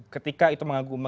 ketika itu mengganggu terorisme